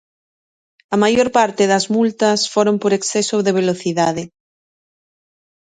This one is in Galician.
A maior parte das multas foron por exceso de velocidade.